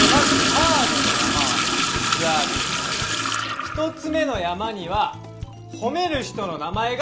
カードの山は３つあり１つ目の山には褒める人の名前が書いてあります。